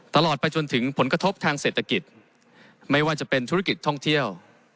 ตลอดไปจนถึงผลกระทบทางเศรษฐกิจไม่ว่าจะเป็นธุรกิจท่องเที่ยว